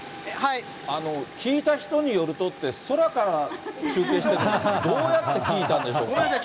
聞いた人によるとって、空から中継してるのに、どうやって聞いたんでしょうか。